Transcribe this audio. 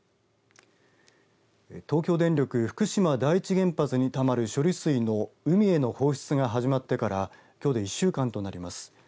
東京電力福島第一原発にたまる処理水の海への放出が始まってからきょうで１週間となります。